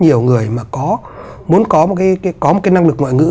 nhiều người mà có muốn có một cái năng lực ngoại ngữ